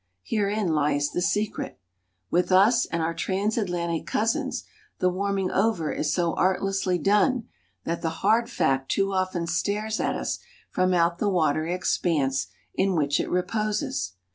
Herein lies the secret. With us and our transatlantic cousins the warming over is so artlessly done, that the hard fact too often stares at us from out the watery expanse in which it reposes.